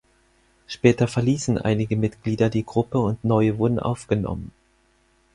Später verließen einige Mitglieder die Gruppe und neue wurden aufgenommen.